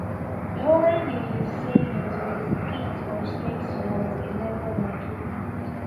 Lowering the insane into a pit of snakes was a method of treatment.